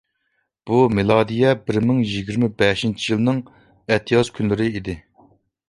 بۇ مىلادىيە بىر مىڭ يىگىرمە بەشىنچى يىلنىڭ ئەتىياز كۈنلىرى ئىدى.